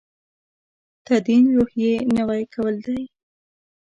تدین روحیې نوي کول دی.